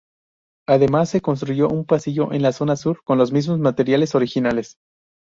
Además, se construyó un pasillo en la zona sur, con los mismos materiales originales.